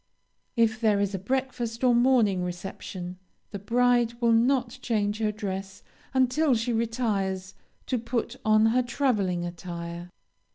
If there is a breakfast or morning reception, the bride will not change her dress until she retires to put on her traveling attire.